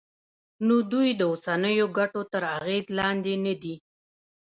نو دوی د اوسنیو ګټو تر اغېز لاندې ندي.